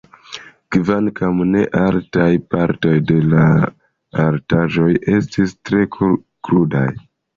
Kvankam ne altaj, partoj de la altaĵoj estis tre krudaj.